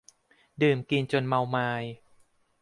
ดื่มกินจนเมามาย